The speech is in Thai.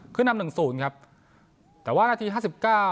ขึ้นนำหนึ่งศูนย์ครับแต่ว่านาทีห้าสิบเก้า